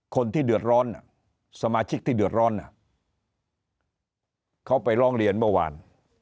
คนที่เดือดร้อนสมาชิกที่เดือดร้อนเขาไปร้องเรียนเมื่อวาน